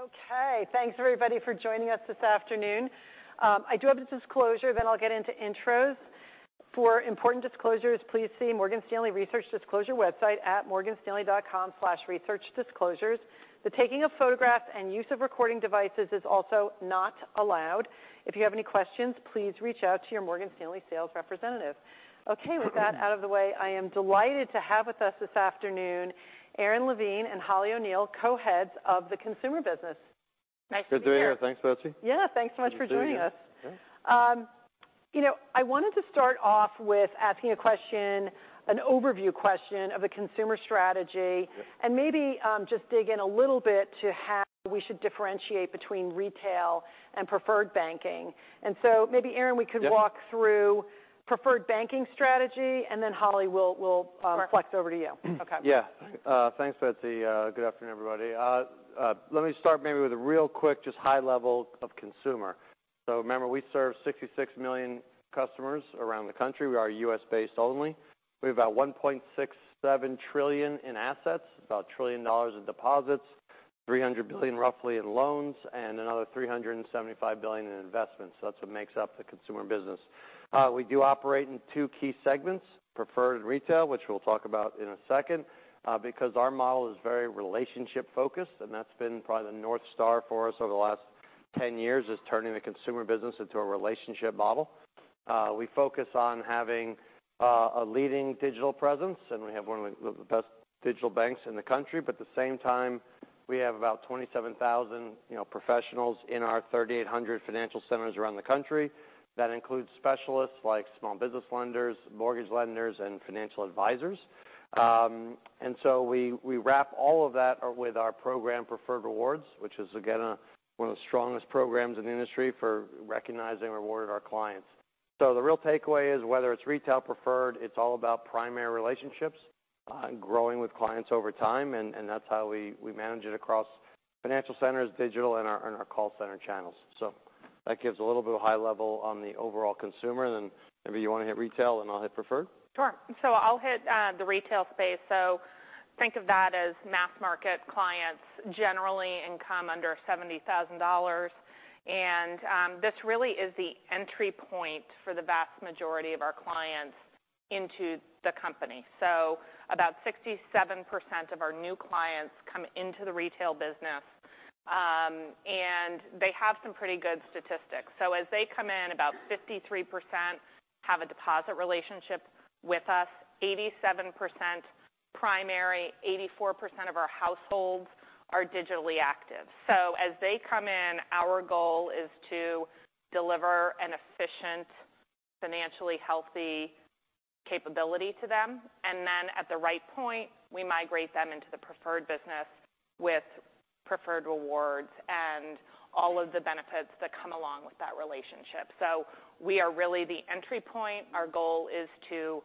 Okay, thanks everybody for joining us this afternoon. I do have a disclosure, then I'll get into intros. For important disclosures, please see Morgan Stanley Research Disclosure website at morganstanley.com/research disclosures. The taking of photographs and use of recording devices is also not allowed. If you have any questions, please reach out to your Morgan Stanley sales representative. Okay, with that out of the way, I am delighted to have with us this afternoon, Aron Levine and Holly O'Neill, Co-Heads of the Consumer Business. Nice to be here. Good to be here. Thanks, Betsy. Yeah, thanks so much for joining us. Okay. You know, I wanted to start off with asking a question, an overview question of the consumer strategy. Yeah. maybe, just dig in a little bit to how we should differentiate between Retail and Preferred Banking. maybe, Aaron, we could. Yeah walk through Preferred Banking strategy, and then, Holly, we'll. Sure. flex over to you. Okay. Thanks, Betsy. Good afternoon, everybody. Let me start maybe with a real quick, just high level of consumer. Remember, we serve 66 million customers around the country. We are U.S.-based only. We have about $1.67 trillion in assets, about $1 trillion in deposits, $300 billion, roughly, in loans, and another $375 billion in investments. That's what makes up the consumer business. We do operate in two key segments, Preferred Retail, which we'll talk about in a second, because our model is very relationship-focused, and that's been probably the Northstar for us over the last 10 years, is turning the consumer business into a relationship model. We focus on having, a leading digital presence, and we have one of the best digital banks in the country. At the same time, we have about 27,000, you know, professionals in our 3,800 financial centers around the country. That includes specialists like small business lenders, mortgage lenders, and financial advisors. We wrap all of that with our program, Preferred Rewards, which is, again, one of the strongest programs in the industry for recognizing and rewarding our clients. The real takeaway is, whether it's retail, preferred, it's all about primary relationships, and growing with clients over time, and that's how we manage it across financial centers, digital, and our call center channels. That gives a little bit of high level on the overall consumer. Maybe you want to hit retail, and I'll hit preferred? Sure. I'll hit the retail space. Think of that as mass-market clients, generally income under $70,000. This really is the entry point for the vast majority of our clients into the company. About 67% of our new clients come into the retail business, and they have some pretty good statistics. As they come in, about 53% have a deposit relationship with us, 87% primary, 84% of our households are digitally active. As they come in, our goal is to deliver an efficient, financially healthy capability to them, and then at the right point, we migrate them into the Preferred business with Preferred Rewards and all of the benefits that come along with that relationship. We are really the entry point. Our goal is to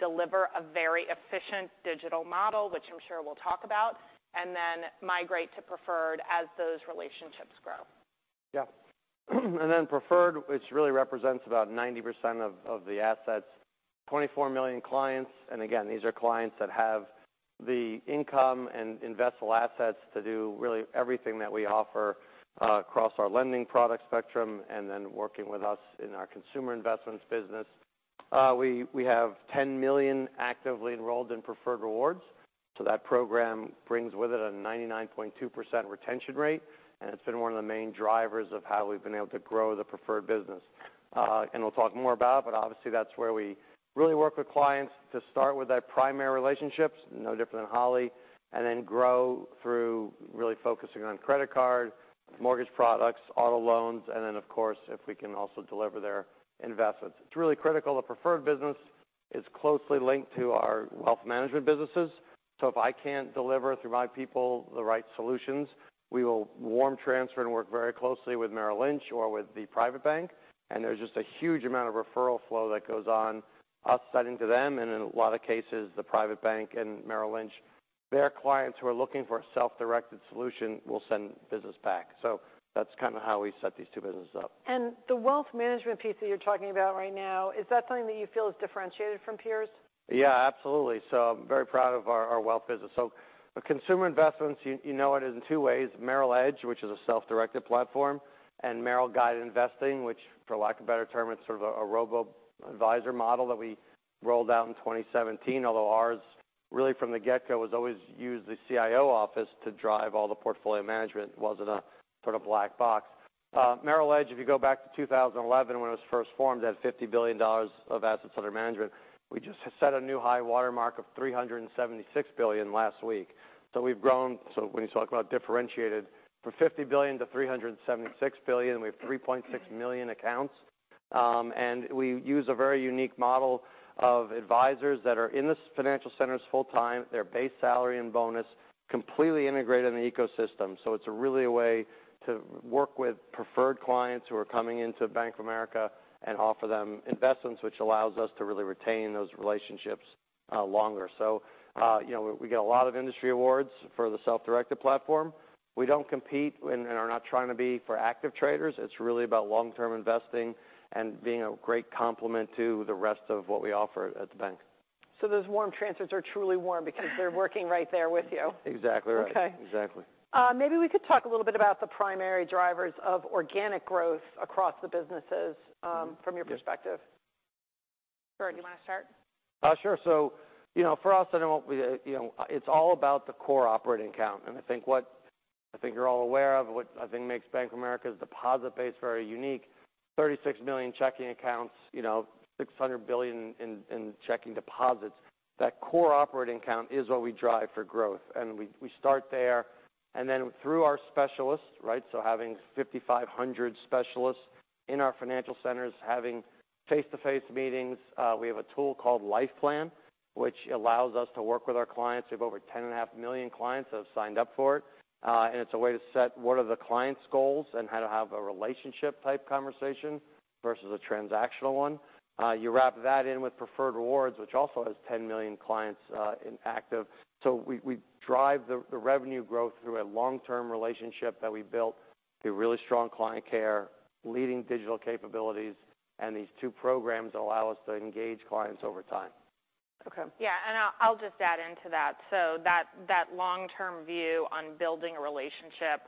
deliver a very efficient digital model, which I'm sure we'll talk about, and then migrate to Preferred as those relationships grow. Yeah. Preferred, which really represents about 90% of the assets, 24 million clients. Again, these are clients that have the income and investable assets to do really everything that we offer across our lending product spectrum, and then working with us in our Consumer Investments business. We have 10 million actively enrolled in Preferred Rewards, so that program brings with it a 99.2% retention rate, and it's been one of the main drivers of how we've been able to grow the Preferred business. We'll talk more about, but obviously, that's where we really work with clients to start with that primary relationships, no different than Holly, and then grow through really focusing on credit card, mortgage products, auto loans, and then, of course, if we can also deliver their investments. It's really critical. The Preferred business is closely linked to our wealth management businesses. If I can't deliver through my people the right solutions, we will warm transfer and work very closely with Merrill Lynch or with the private bank. There's just a huge amount of referral flow that goes on us setting to them, and in a lot of cases, the private bank and Merrill Lynch, their clients who are looking for a self-directed solution, will send business back. That's kind of how we set these two businesses up. The wealth management piece that you're talking about right now, is that something that you feel is differentiated from peers? Yeah, absolutely. I'm very proud of our wealth business. The Consumer Investments, you know it in two ways, Merrill Edge, which is a self-directed platform, and Merrill Guided Investing, which, for lack of a better term, it's sort of a robo-advisor model that we rolled out in 2017. Although ours, really, from the get-go, was always used the CIO office to drive all the portfolio management. It wasn't a sort of black box. Merrill Edge, if you go back to 2011, when it was first formed, had $50 billion of assets under management. We just set a new high watermark of $376 billion last week. We've grown. When you talk about differentiated, from $50 billion to $376 billion, we have 3.6 million accounts. We use a very unique model of advisors that are in the financial centers full time, their base salary and bonus, completely integrated in the ecosystem. It's really a way to work with preferred clients who are coming into Bank of America and offer them investments, which allows us to really retain those relationships longer. You know, we get a lot of industry awards for the self-directed platform. We don't compete and are not trying to be for active traders. It's really about long-term investing and being a great complement to the rest of what we offer at the bank. Those warm transfers are truly warm because they're working right there with you. Exactly right. Okay. Exactly. Maybe we could talk a little bit about the primary drivers of organic growth across the businesses, from your perspective. Sure. Aron, do you want to start? Sure. You know, for us, it'll be, you know, it's all about the core operating account. I think what I think you're all aware of, what I think makes Bank of America's deposit base very unique, 36 million checking accounts, you know, $600 billion in checking deposits. That core operating account is what we drive for growth, and we start there, and then through our specialists, right? Having 5,500 specialists in our financial centers, having face-to-face meetings. We have a tool called Life Plan, which allows us to work with our clients. We have over 10.5 million clients that have signed up for it. It's a way to set what are the client's goals and how to have a relationship-type conversation versus a transactional one. You wrap that in with Preferred Rewards, which also has 10 million clients in active. We, we drive the revenue growth through a long-term relationship that we built through really strong client care, leading digital capabilities, and these two programs allow us to engage clients over time. Okay. Yeah, and I'll just add into that. That long-term view on building a relationship.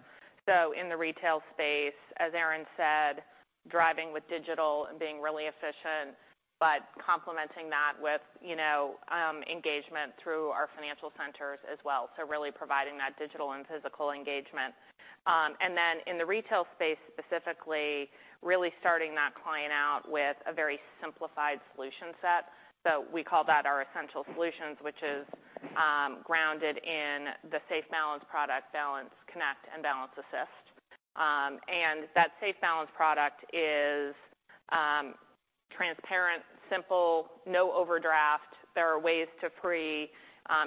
In the retail space, as Aron said, driving with digital and being really efficient, but complementing that with, you know, engagement through our financial centers as well. Really providing that digital and physical engagement. In the retail space, specifically, really starting that client out with a very simplified solution set. We call that our Essential Solutions, which is grounded in the SafeBalance Banking product, Balance Connect and Balance Assist. That SafeBalance Banking product is transparent, simple, no overdraft. There are ways to free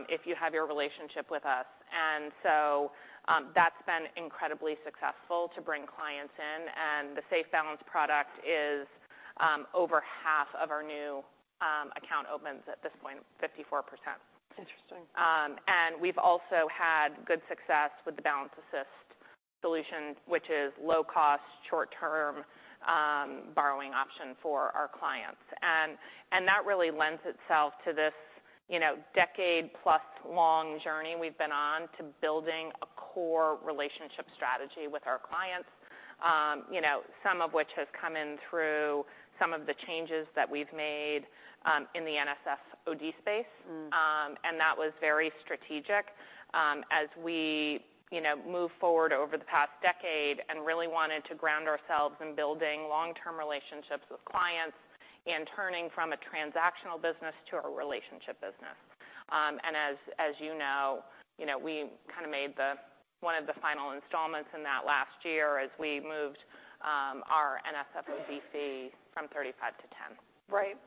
if you have your relationship with us. That's been incredibly successful to bring clients in. The SafeBalance Banking product is over half of our new account opens at this point, 54%. Interesting. We've also had good success with the Balance Assist solution, which is low cost, short term, borrowing option for our clients. That really lends itself to this, you know, decade-plus long journey we've been on to building a core relationship strategy with our clients. You know, some of which has come in through some of the changes that we've made in the NSF OD space. Mm. That was very strategic, as we, you know, moved forward over the past decade and really wanted to ground ourselves in building long-term relationships with clients and turning from a transactional business to a relationship business. As, as you know, you know, we kind of made the, one of the final installments in that last year as we moved our NSF OD fee from $35 to $10. Right.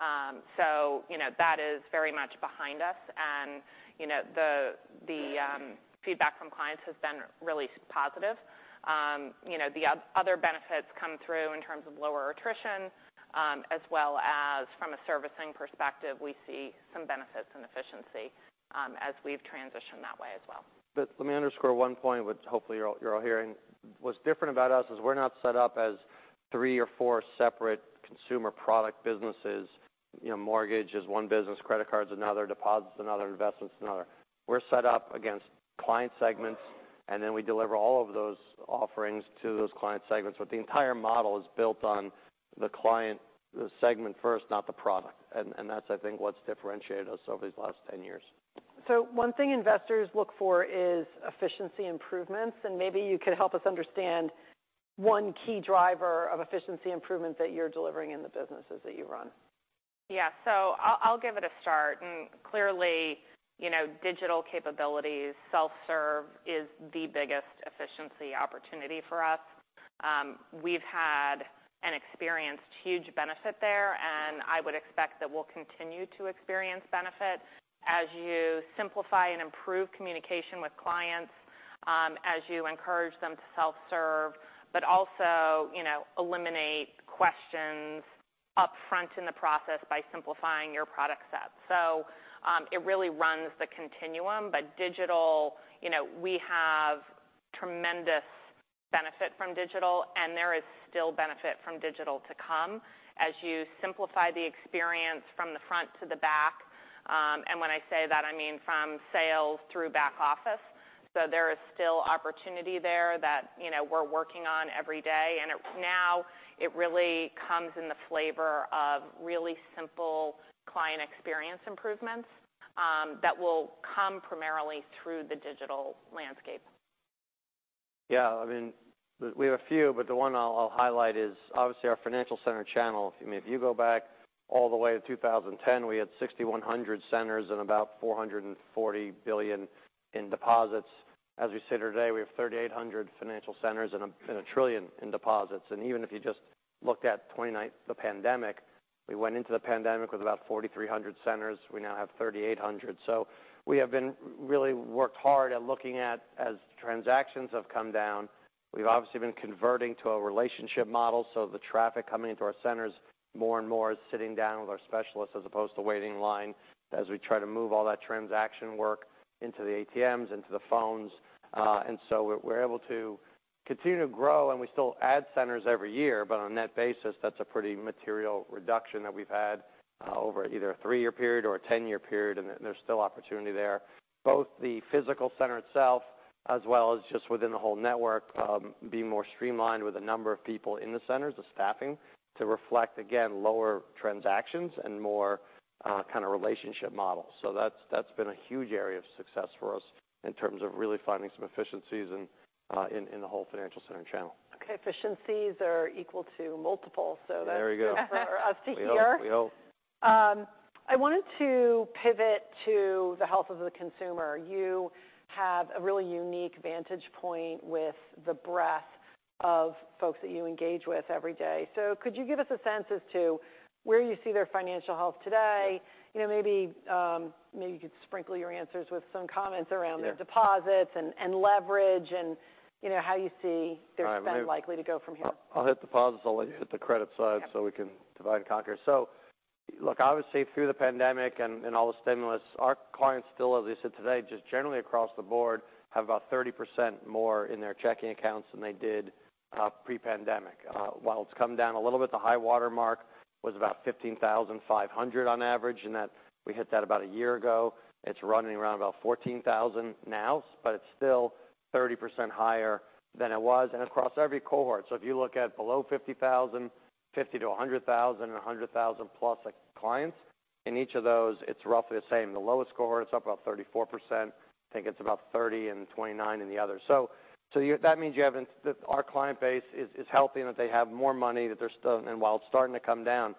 You know, that is very much behind us, and, you know, the feedback from clients has been really positive. You know, the other benefits come through in terms of lower attrition, as well as from a servicing perspective, we see some benefits in efficiency, as we've transitioned that way as well. Let me underscore one point, which hopefully you're all hearing. What's different about us is we're not set up as three or four separate consumer product businesses. You know, mortgage is one business, credit card is another, deposits another, investments another. We're set up against Client segments, and then we deliver all of those offerings to those Client segments. The entire model is built on the client, the segment first, not the product. That's, I think, what's differentiated us over these last 10 years. One thing investors look for is efficiency improvements, and maybe you could help us understand one key driver of efficiency improvement that you're delivering in the businesses that you run. I'll give it a start. Clearly, you know, digital capabilities, self-serve is the biggest efficiency opportunity for us. We've had and experienced huge benefit there, I would expect that we'll continue to experience benefit as you simplify and improve communication with clients, as you encourage them to self-serve, but also, you know, eliminate questions upfront in the process by simplifying your product set. It really runs the continuum. Digital, you know, we have tremendous benefit from digital, and there is still benefit from digital to come as you simplify the experience from the front to the back. When I say that, I mean from sales through back office. There is still opportunity there that, you know, we're working on every day, and now, it really comes in the flavor of really simple client experience improvements, that will come primarily through the digital landscape. Yeah, I mean, we have a few, but the one I'll highlight is obviously our financial center channel. I mean, if you go back all the way to 2010, we had 6,100 centers and about $440 billion in deposits. As we sit here today, we have 3,800 financial centers and a, and $1 trillion in deposits. Even if you just looked at 2019, the pandemic, we went into the pandemic with about 4,300 centers. We now have 3,800. We have been really worked hard at looking at, as transactions have come down, we've obviously been converting to a relationship model. The traffic coming into our centers more and more is sitting down with our specialists as opposed to waiting in line as we try to move all that transaction work into the ATMs, into the phones. We're able to continue to grow, and we still add centers every year. On net basis, that's a pretty material reduction that we've had over either a 3-year period or a 10-year period, and there's still opportunity there. Both the physical center itself, as well as just within the whole network, being more streamlined with the number of people in the centers, the staffing, to reflect, again, lower transactions and more kind of relationship models. That's been a huge area of success for us in terms of really finding some efficiencies in the whole financial center channel. Okay, efficiencies are equal to multiples, so that-. There you go. for us to hear. We hope. I wanted to pivot to the health of the consumer. You have a really unique vantage point with the breadth of folks that you engage with every day. Could you give us a sense as to where you see their financial health today? You know, maybe you could sprinkle your answers with some comments around... Yeah -their deposits and leverage and, you know, how you see their spend. All right. likely to go from here? I'll hit deposits. I'll let you hit the credit side. Okay. We can divide and conquer. Look, obviously, through the pandemic and all the stimulus, our clients still, as I said today, just generally across the board, have about 30% more in their checking accounts than they did pre-pandemic. While it's come down a little bit, the high water mark was about $15,500 on average, and we hit that about a year ago. It's running around about $14,000 now, but it's still 30% higher than it was, and across every cohort. If you look at below $50,000, $50,000-$100,000, and $100,000 plus clients, in each of those, it's roughly the same. The lowest cohort, it's up about 34%. I think it's about 30% and 29% in the other. That means you have That our client base is healthy and that they have more money, that they're still... While it's starting to come down,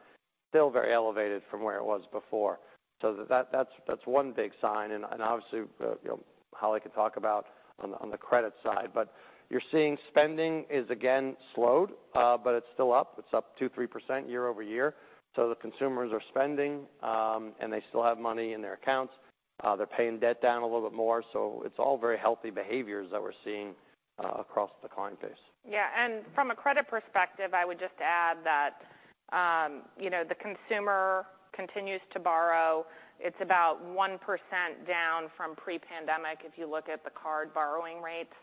still very elevated from where it was before. That's one big sign. Obviously, you know, Holly can talk about on the credit side, but you're seeing spending is again slowed, but it's still up. It's up 2-3% year-over-year. The consumers are spending, and they still have money in their accounts. They're paying debt down a little bit more, so it's all very healthy behaviors that we're seeing across the client base. Yeah, from a credit perspective, I would just add that, you know, the consumer continues to borrow. It's about 1% down from pre-pandemic if you look at the card borrowing rates.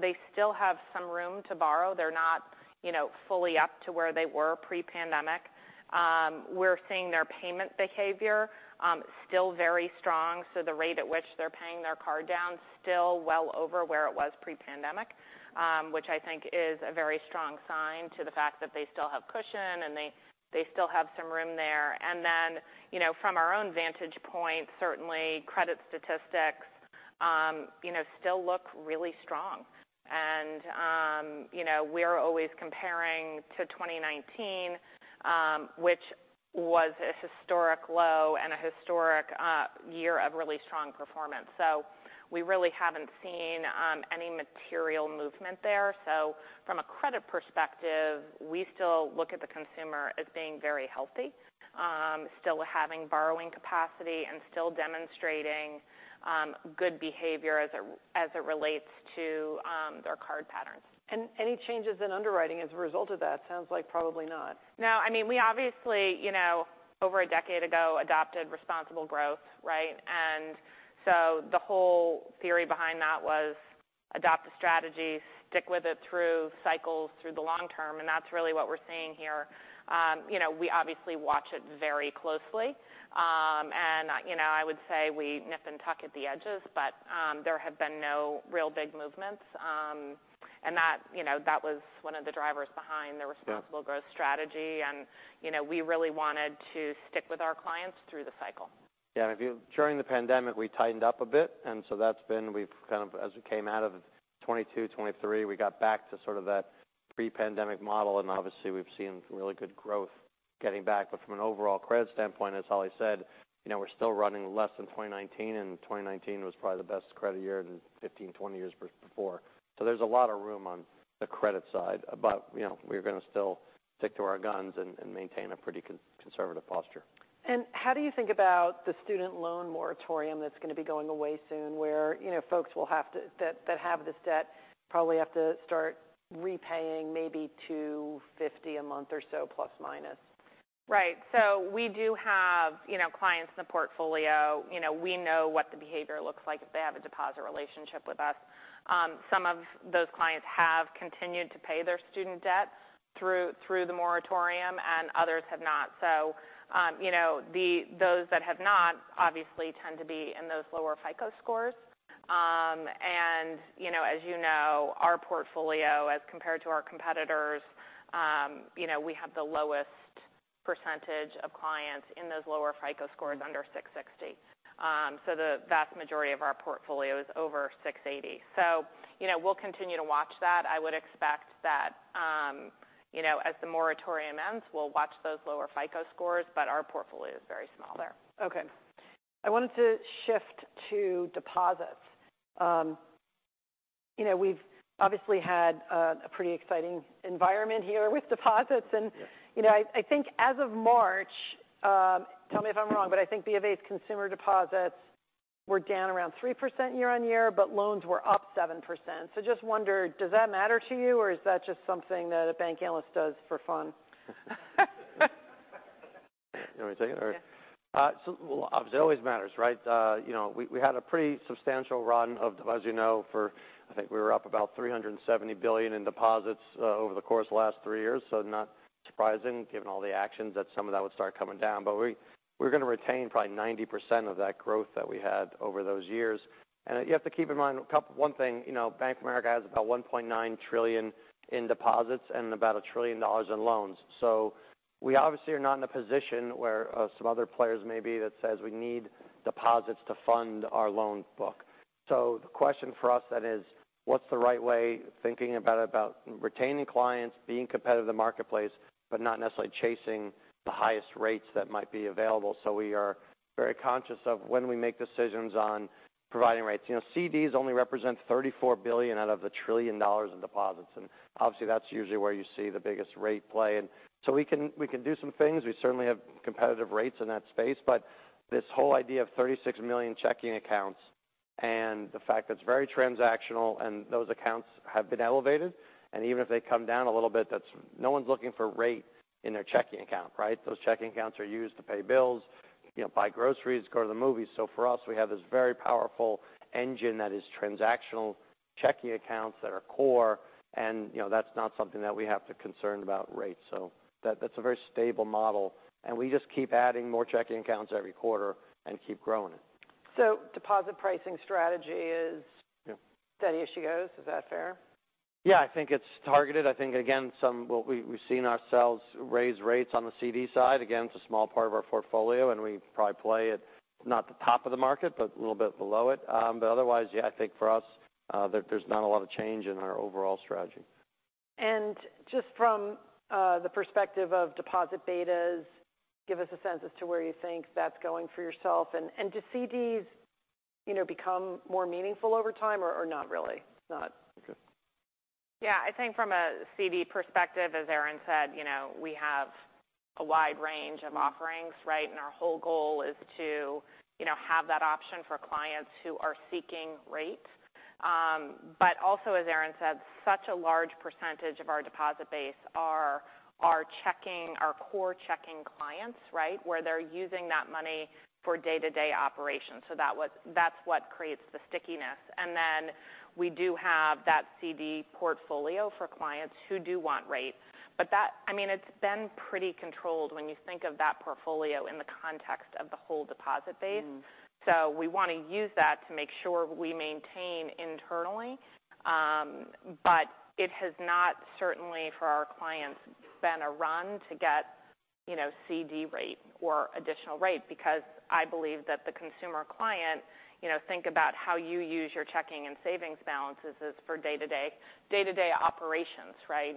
They still have some room to borrow. They're not, you know, fully up to where they were pre-pandemic. We're seeing their payment behavior still very strong, so the rate at which they're paying their card down is still well over where it was pre-pandemic, which I think is a very strong sign to the fact that they still have cushion and they still have some room there. Then, you know, from our own vantage point, certainly credit statistics, you know, still look really strong. You know, we're always comparing to 2019, which was a historic low and a historic year of really strong performance. We really haven't seen any material movement there. From a credit perspective, we still look at the consumer as being very healthy, still having borrowing capacity and still demonstrating good behavior as it relates to their card patterns. Any changes in underwriting as a result of that? Sounds like probably not. No, I mean, we obviously, you know, over a decade ago, adopted Responsible Growth, right? The whole theory behind that was adopt a strategy, stick with it through cycles, through the long term, and that's really what we're seeing here. You know, we obviously watch it very closely. You know, I would say we nip and tuck at the edges, but, there have been no real big movements. That, you know, that was one of the drivers behind the responsible-. Yeah... growth strategy. You know, we really wanted to stick with our clients through the cycle. Yeah, During the pandemic, we tightened up a bit, and so we've kind of as we came out of 2022, 2023, we got back to sort of that pre-pandemic model, and obviously, we've seen really good growth getting back. From an overall credit standpoint, as Holly said, you know, we're still running less than 2019, and 2019 was probably the best credit year in 15, 20 years before. There's a lot of room on the credit side, but, you know, we're going to still stick to our guns and maintain a pretty conservative posture. How do you think about the student loan moratorium that's going to be going away soon, where, you know, folks will have to... That have this debt, probably have to start repaying maybe $250 a month or so, plus, minus? Right. We do have, you know, clients in the portfolio. You know, we know what the behavior looks like if they have a deposit relationship with us. Some of those clients have continued to pay their student debt through the moratorium, and others have not. You know, those that have not, obviously tend to be in those lower FICO scores. You know, as you know, our portfolio, as compared to our competitors, you know, we have the lowest percentage of clients in those lower FICO scores under 660. The vast majority of our portfolio is over 680. You know, we'll continue to watch that. I would expect that, you know, as the moratorium ends, we'll watch those lower FICO scores, but our portfolio is very small there. I wanted to shift to deposits. you know, we've obviously had, a pretty exciting environment here with deposits. you know, I think as of March, tell me if I'm wrong, but I think BofA's consumer deposits were down around 3% year-on-year, but loans were up 7%. just wonder, does that matter to you, or is that just something that a bank analyst does for fun? You want me to take it or- Yeah. well, obviously, it always matters, right? you know, we had a pretty substantial run of deposits, as you know, for I think we were up about $370 billion in deposits over the course of the last 3 years. Not surprising, given all the actions, that some of that would start coming down. we're going to retain probably 90% of that growth that we had over those years. you have to keep in mind one thing, you know, Bank of America has about $1.9 trillion in deposits and about $1 trillion in loans. we obviously are not in a position where some other players may be that says we need deposits to fund our loan book. The question for us then is: what's the right way, thinking about retaining clients, being competitive in the marketplace, but not necessarily chasing the highest rates that might be available? We are very conscious of when we make decisions on providing rates. You know, CDs only represent $34 billion out of the $1 trillion in deposits, and obviously, that's usually where you see the biggest rate play. We can do some things. We certainly have competitive rates in that space, but this whole idea of 36 million checking accounts and the fact that it's very transactional and those accounts have been elevated, and even if they come down a little bit, that's no one's looking for rate in their checking account, right? Those checking accounts are used to pay bills, you know, buy groceries, go to the movies. For us, we have this very powerful engine that is transactional checking accounts that are core, and, you know, that's not something that we have to concern about rates. That's a very stable model, and we just keep adding more checking accounts every quarter and keep growing it. Deposit pricing strategy is. Yeah. Steady as she goes. Is that fair? Yeah, I think it's targeted. I think, again, what we've seen ourselves raise rates on the CD side. Again, it's a small part of our portfolio, and we probably play it, not the top of the market, but a little bit below it. Otherwise, yeah, I think for us, there's not a lot of change in our overall strategy. Just from the perspective of deposit betas, give us a sense as to where you think that's going for yourself. Do CDs, you know, become more meaningful over time, or not really? Yeah, I think from a CD perspective, as Aron said, you know, we have a wide range of offerings, right? Our whole goal is to, you know, have that option for clients who are seeking rates. also, as Aron said, such a large percentage of our deposit base are checking our core checking clients, right? Where they're using that money for day-to-day operations. That's what creates the stickiness. We do have that CD portfolio for clients who do want rates. I mean, it's been pretty controlled when you think of that portfolio in the context of the whole deposit base. Mm-hmm. We want to use that to make sure we maintain internally. It has not, certainly for our clients, been a run to get, you know, CD rate or additional rate, because I believe that the consumer client, you know, think about how you use your checking and savings balances is for day-to-day operations, right.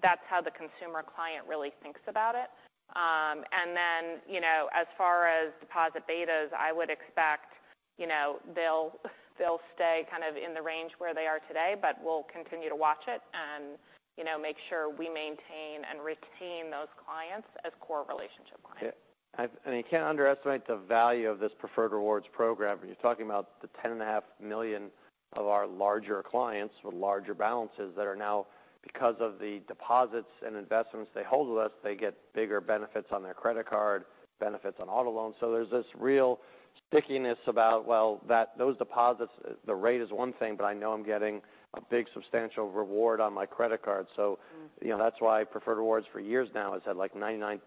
That's how the consumer client really thinks about it. Then, you know, as far as deposit betas, I would expect, you know, they'll stay kind of in the range where they are today, but we'll continue to watch it and, you know, make sure we maintain and retain those clients as core relationship clients. Yeah, and you can't underestimate the value of this Preferred Rewards program. When you're talking about the $10.5 million of our larger clients with larger balances that are now, because of the deposits and investments they hold with us, they get bigger benefits on their credit card, benefits on auto loans. there's this real stickiness about, well, that those deposits, the rate is one thing, but I know I'm getting a big substantial reward on my credit card. Mm. you know, that's why Preferred Rewards for years now has had, like, 99%+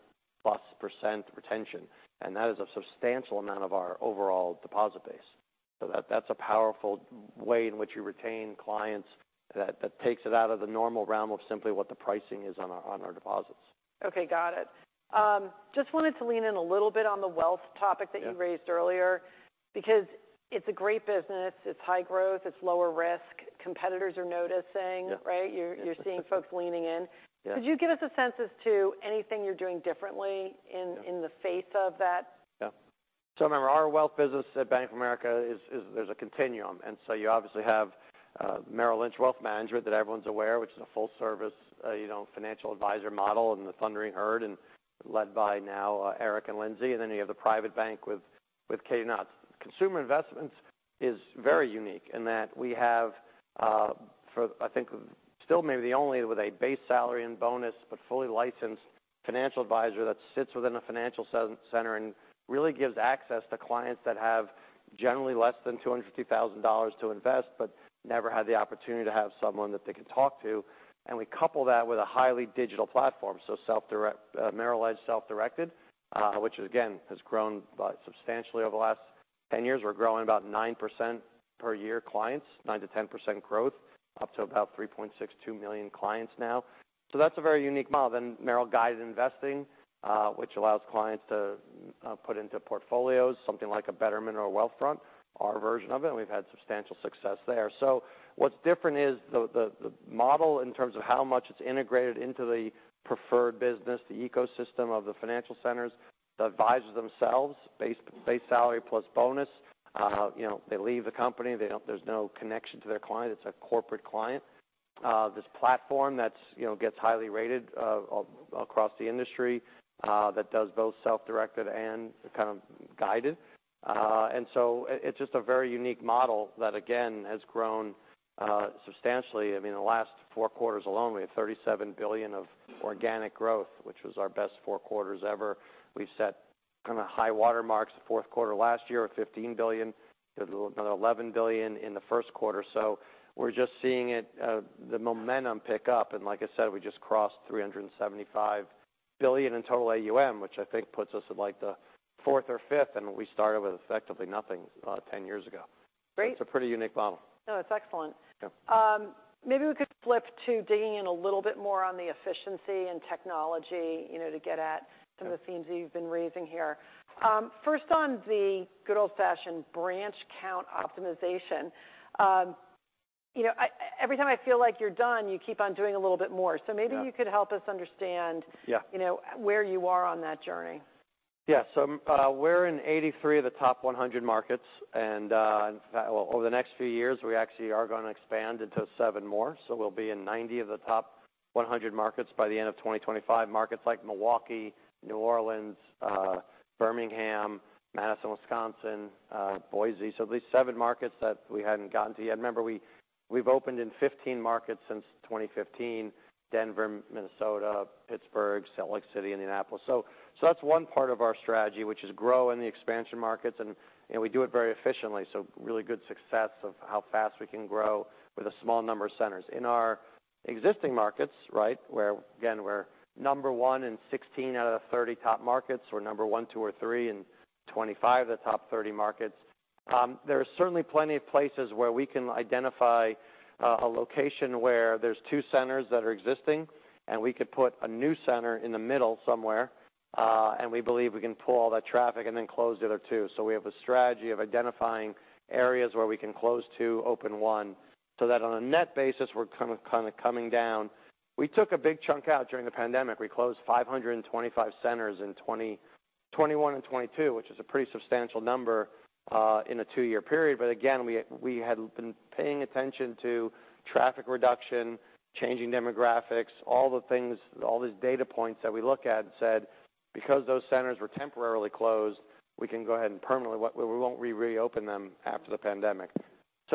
retention, and that is a substantial amount of our overall deposit base. That's a powerful way in which we retain clients that takes it out of the normal realm of simply what the pricing is on our, on our deposits. Okay, got it. Just wanted to lean in a little bit on the wealth topic. Yeah that you raised earlier, because it's a great business, it's high growth, it's lower risk. Competitors are noticing- Yeah right? You're seeing folks leaning in. Yeah. Could you give us a sense as to anything you're doing differently in-? Yeah in the face of that? Remember, our wealth business at Bank of America is there's a continuum, and so you obviously have Merrill Lynch Wealth Management that everyone's aware, which is a full service, you know, financial advisor model and the Thundering Herd and led by now Eric and Lindsay, and then you have the Private Bank with Katy Knox. Consumer Investments is very unique in that we have for, I think, still maybe the only with a base salary and bonus, but fully licensed financial advisor that sits within a financial center and really gives access to clients that have generally less than $250,000 to invest, but never had the opportunity to have someone that they can talk to. We couple that with a highly digital platform, Merrill Edge Self-Directed, which again, has grown substantially over the last 10 years. We're growing about 9% per year clients, 9%-10% growth, up to about 3.62 million clients now. That's a very unique model. Merrill Guided Investing, which allows clients to put into portfolios something like a Betterment or a Wealthfront, our version of it, and we've had substantial success there. What's different is the model in terms of how much it's integrated into the Preferred business, the ecosystem of the financial centers, the advisors themselves, base salary plus bonus. You know, there's no connection to their client. It's a corporate client. this platform that's, you know, gets highly rated across the industry, that does both self-directed and kind of guided. It's just a very unique model that, again, has grown substantially. I mean, in the last 4 quarters alone, we had $37 billion of organic growth, which was our best 4 quarters ever. We've set kind of high water marks, the fourth quarter last year of $15 billion, another $11 billion in the first quarter. We're just seeing it, the momentum pick up, and like I said, we just crossed $375 billion in total AUM, which I think puts us at, like, the fourth or fifth, and we started with effectively nothing about 10 years ago. Great. It's a pretty unique model. No, it's excellent. Yeah. Maybe we could flip to digging in a little bit more on the efficiency and technology, you know. Yeah some of the themes that you've been raising here. First, on the good old-fashioned branch count optimization. You know, every time I feel like you're done, you keep on doing a little bit more. Yeah. maybe you could help us understand... Yeah You know, where you are on that journey. We're in 83 of the top 100 markets, in fact, well, over the next few years, we actually are gonna expand into 7 more. We'll be in 90 of the top 100 markets by the end of 2025. Markets like Milwaukee, New Orleans, Birmingham, Madison, Wisconsin, Boise. At least 7 markets that we hadn't gotten to yet. Remember, we've opened in 15 markets since 2015: Denver, Minnesota, Pittsburgh, Salt Lake City, Indianapolis. That's 1 part of our strategy, which is grow in the expansion markets, we do it very efficiently, really good success of how fast we can grow with a small number of centers. In our existing markets, right, where, again, we're number 1 in 16 out of the 30 top markets, or number 1, 2, or 3 in 25 of the top 30 markets. There are certainly plenty of places where we can identify a location where there's 2 centers that are existing, and we could put a new center in the middle somewhere, and we believe we can pull all that traffic and then close the other 2. We have a strategy of identifying areas where we can close 2, open 1, so that on a net basis, we're kind of coming down. We took a big chunk out during the pandemic. We closed 525 centers in 2021 and 2022, which is a pretty substantial number in a 2-year period. Again, we had been paying attention to traffic reduction, changing demographics, all the things, all these data points that we look at said, "Because those centers were temporarily closed, we can go ahead and permanently we won't reopen them after the pandemic."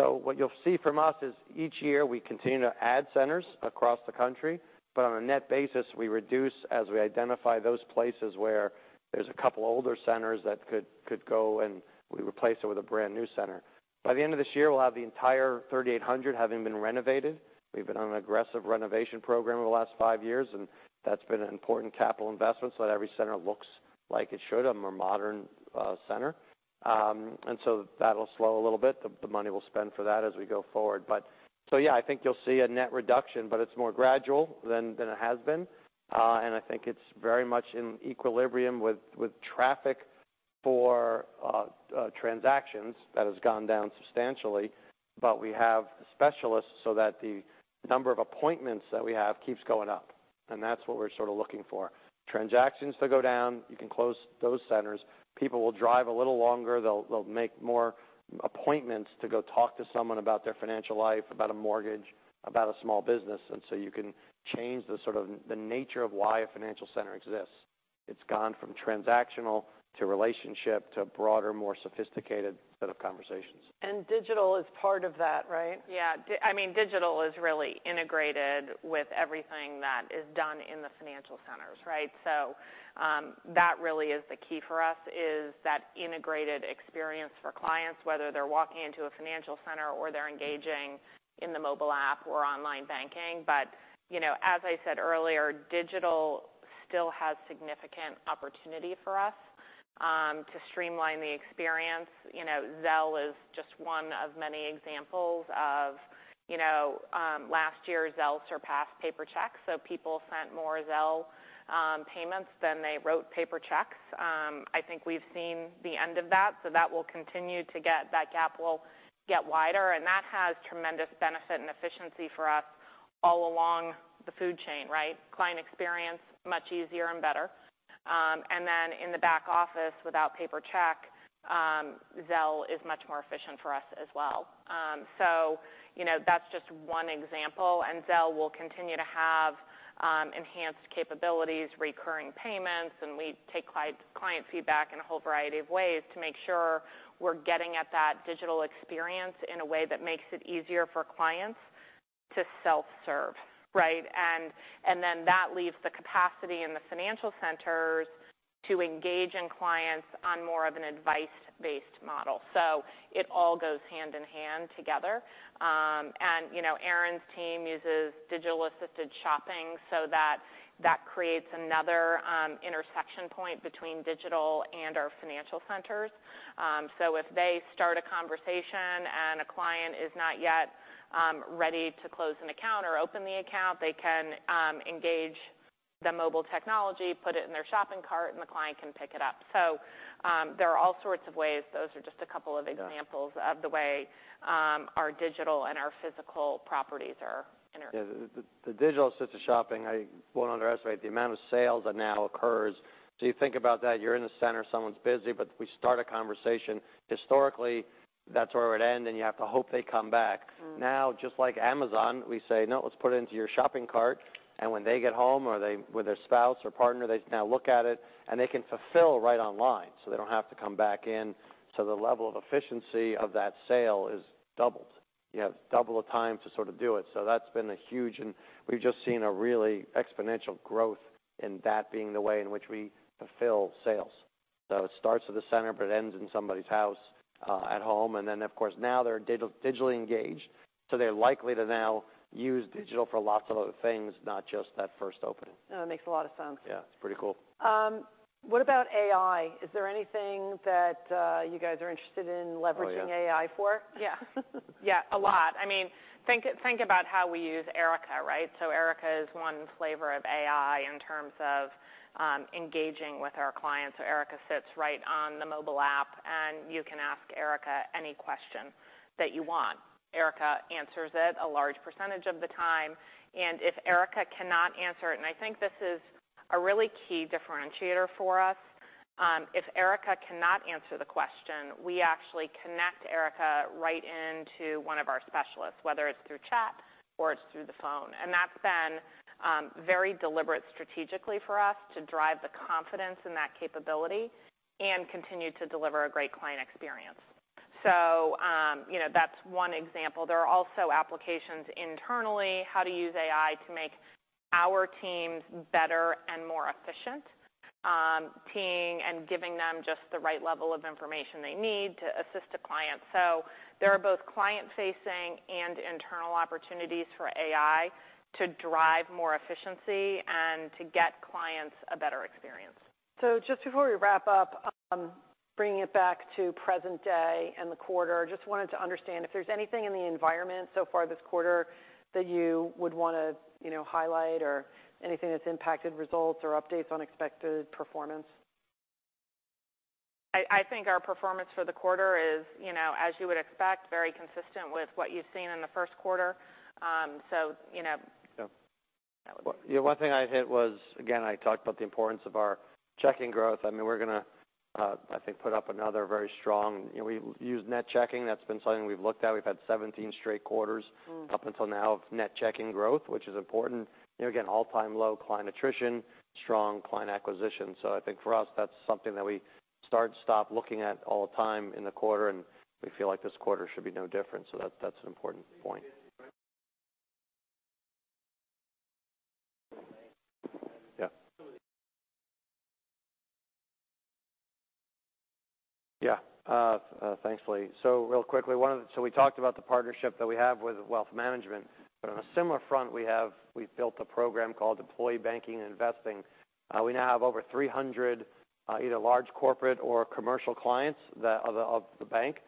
What you'll see from us is, each year, we continue to add centers across the country, but on a net basis, we reduce as we identify those places where there's a couple older centers that could go, and we replace it with a brand-new center. By the end of this year, we'll have the entire 3,800 having been renovated. We've been on an aggressive renovation program over the last five years, and that's been an important capital investment so that every center looks like it should, a more modern center. That'll slow a little bit, the money we'll spend for that as we go forward. So yeah, I think you'll see a net reduction, but it's more gradual than it has been. I think it's very much in equilibrium with traffic for transactions. That has gone down substantially, but we have specialists so that the number of appointments that we have keeps going up, and that's what we're sort of looking for. Transactions that go down, you can close those centers. People will drive a little longer. They'll make more appointments to go talk to someone about their financial life, about a mortgage, about a small business, you can change the sort of the nature of why a financial center exists. It's gone from transactional to relationship to a broader, more sophisticated set of conversations. Digital is part of that, right? Yeah. I mean, digital is really integrated with everything that is done in the financial centers, right? That really is the key for us, is that integrated experience for clients, whether they're walking into a financial center or they're engaging in the mobile app or online banking. You know, as I said earlier, digital still has significant opportunity for us to streamline the experience. You know, Zelle is just 1 of many examples of... You know, last year, Zelle surpassed paper checks, people sent more Zelle payments than they wrote paper checks. I think we've seen the end of that gap will get wider, that has tremendous benefit and efficiency for us all along the food chain, right? Client experience, much easier and better. In the back office, without paper check, Zelle is much more efficient for us as well. You know, that's just one example, and Zelle will continue to have enhanced capabilities, recurring payments, and we take client feedback in a whole variety of ways to make sure we're getting at that digital experience in a way that makes it easier for clients to self-serve, right? That leaves the capacity in the financial centers to engage in clients on more of an advice-based model. It all goes hand in hand together. You know, Aron's team uses digitally assisted shopping, that creates another intersection point between digital and our financial centers. If they start a conversation, and a client is not yet ready to close an account or open the account, they can engage the mobile technology, put it in their shopping cart, and the client can pick it up. There are all sorts of ways. Those are just a couple of examples. Yeah of the way, our digital and our physical properties are. Yeah, the digitally assisted shopping, I won't underestimate the amount of sales that now occurs. You think about that, you're in the center, someone's busy, but we start a conversation. Historically, that's where it would end, and you have to hope they come back. Mm. Just like Amazon, we say, "No, let's put it into your shopping cart," and when they get home, or with their spouse or partner, they now look at it, and they can fulfill right online, so they don't have to come back in. The level of efficiency of that sale is doubled. You have double the time to sort of do it. That's been a huge, and we've just seen a really exponential growth in that being the way in which we fulfill sales. It starts at the center, but it ends in somebody's house, at home. Then, of course, now they're digitally engaged, so they're likely to now use digital for lots of other things, not just that first opening. Oh, it makes a lot of sense. Yeah, it's pretty cool. What about AI? Is there anything that you guys are interested in leveraging-? Oh, yeah. AI for? Yeah. A lot. I mean, think about how we use Erica, right? Erica is one flavor of AI in terms of engaging with our clients. Erica sits right on the mobile app, and you can ask Erica any question that you want. Erica answers it a large percentage of the time, and if Erica cannot answer it, and I think this is a really key differentiator for us, if Erica cannot answer the question, we actually connect Erica right into one of our specialists, whether it's through chat or it's through the phone. That's been very deliberate strategically for us to drive the confidence in that capability and continue to deliver a great client experience. You know, that's one example. There are also applications internally, how to use AI to make our teams better and more efficient, seeing and giving them just the right level of information they need to assist a client. There are both client-facing and internal opportunities for AI to drive more efficiency and to get clients a better experience. Just before we wrap up, bringing it back to present day and the quarter, just wanted to understand if there's anything in the environment so far this quarter that you would want to, you know, highlight or anything that's impacted results or updates on expected performance? I think our performance for the quarter is, you know, as you would expect, very consistent with what you've seen in the first quarter. You know. Yeah. That would. Yeah, one thing I'd hit was, again, I talked about the importance of our checking growth. I mean, we're going to, I think, put up another very strong... You know, we use net checking. That's been something we've looked at. We've had 17 straight quarters. Mm. -up until now of net checking growth, which is important. You know, again, all-time low client attrition, strong client acquisition. I think for us, that's something that we start, stop looking at all the time in the quarter, and we feel like this quarter should be no different. That's an important point. Yeah. Yeah, thanks, [Lee]. Real quickly, we talked about the partnership that we have with Wealth Management, but on a similar front, we have we've built a program called Employee Banking and Investing. We now have over 300, either large corporate or commercial clients that of the, of the bank,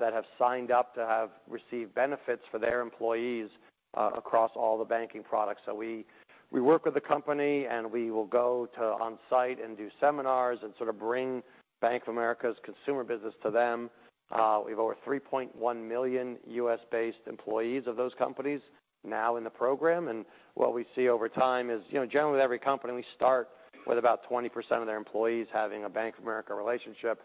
that have signed up to have received benefits for their employees, across all the banking products. We work with the company, and we will go to on-site and do seminars and sort of bring Bank of America's consumer business to them. We have over 3.1 million U.S.-based employees of those companies now in the program. What we see over time is, you know, generally with every company, we start with about 20% of their employees having a Bank of America relationship.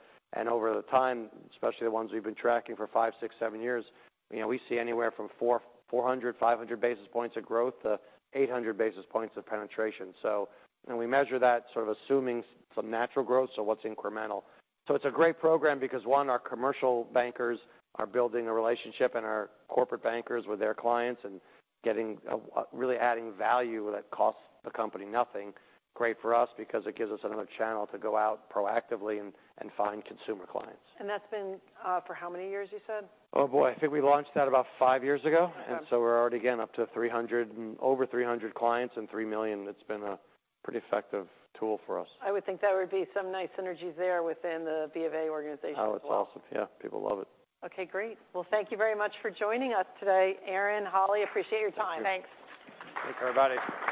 Over the time, especially the ones we've been tracking for five, six, seven years, you know, we see anywhere from 400, 500 basis points of growth to 800 basis points of penetration. We measure that sort of assuming some natural growth, so what's incremental? It's a great program because, one, our commercial bankers are building a relationship, and our corporate bankers with their clients and getting a really adding value that costs the company nothing. Great for us because it gives us another channel to go out proactively and find consumer clients. That's been, for how many years, you said? Oh, boy. I think we launched that about five years ago. Okay. We're already again up to 300, over 300 clients and $3 million. It's been a pretty effective tool for us. I would think that would be some nice synergies there within the BofA organization. Oh, it's awesome. Yeah, people love it. Okay, great. Thank you very much for joining us today. Aron Levine, Holly O'Neill, appreciate your time. Thanks. Thank you, everybody. Thank you!